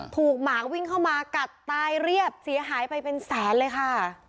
หมาวิ่งเข้ามากัดตายเรียบเสียหายไปเป็นแสนเลยค่ะ